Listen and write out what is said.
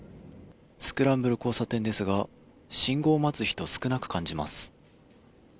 スクランブル交差点ですが、信号を待つ人、少なく感じます。